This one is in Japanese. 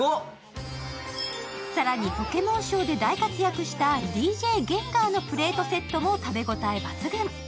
更にポケモンショーで活躍したＤＪゲンガーのプレートも食べ応え抜群。